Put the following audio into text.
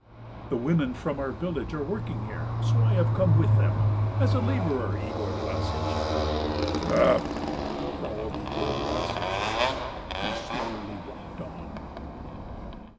"The women from our village are working here, so I have come with them.... As a labourer, Yegor Vlassitch." "Oh..." growled Yegor Vlassitch, and slowly walked on.